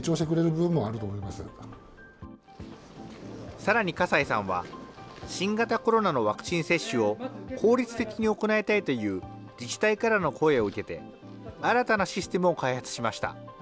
さらに葛西さんは、新型コロナのワクチン接種を効率的に行いたいという自治体からの声を受けて、新たなシステムを開発しました。